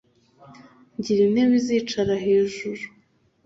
ngira intebe izicara hejuru .